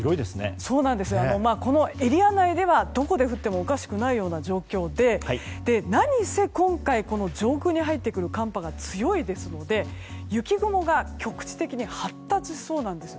このエリア内ではどこで降ってもおかしくないような状況で何せ、今回上空に入ってくる寒波が強いので、雪雲が局地的に発達しそうなんです。